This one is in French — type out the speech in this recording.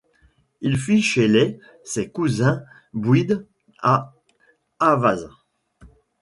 Il fuit chez les ses cousins Bouyides à Ahwâz.